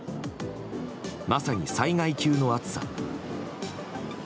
まさに災害級の暑さ。